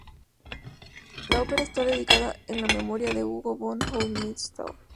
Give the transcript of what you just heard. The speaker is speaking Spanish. La ópera está dedicada a la memoria de Hugo von Hofmannsthal.